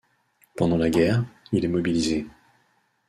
Pendant la guerre, il est mobilisé.